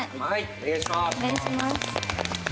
お願いします。